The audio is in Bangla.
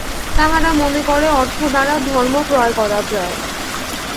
তাহারা মনে করে, অর্থ দ্বারা ধর্ম ক্রয় করা যায়।